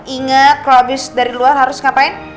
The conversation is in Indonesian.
ingat kalau habis dari luar harus ngapain